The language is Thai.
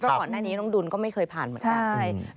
ก่อนหน้านี้น้องดุลก็ไม่เคยผ่านเหมือนกัน